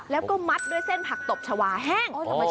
แล้วก็มัดด้วยเส้นผักตบชาวาแห้ง